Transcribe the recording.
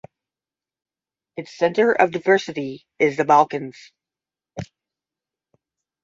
Its center of diversity is the Balkans.